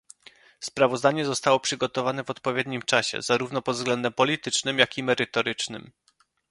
Sprawozdanie zostało przygotowane w odpowiednim czasie, zarówno pod względem politycznym, jak i merytorycznym